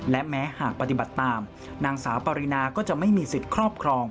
และแม้หากปฏิบัติตามนางสาวปรินาก็จะไม่มีสิทธิ์ครอบครอง